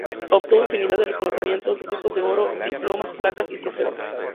Obtuvo infinidad de reconocimientos: discos de oro, diplomas, placas y trofeos.